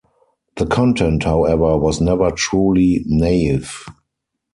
The content, however, was never truly naive.